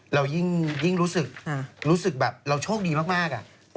เรายิ่งรู้สึกแบบเราโชคดีมากอะ